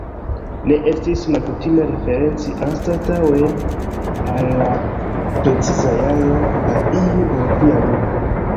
Ne estis malkutime referenci, anstataŭe al la preciza jaro, al iu Olimpia ludo.